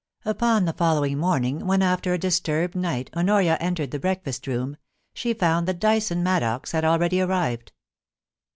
Upon the following morning, when, after a disturbed night, Honoria entered the breakfast room, she found that Dyson Maddox had already arrived.